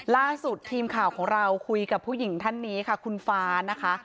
ล่าสุดทีมข่าวของเราคุยกับผู้หญิงท่านนี้ค่ะคุณฟ้านะคะ